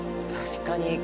確かに。